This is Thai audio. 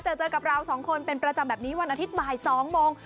เจอเจอกับเราสองคนเป็นประจำแบบนี้วันอาทิตย์บ่าย๒โมง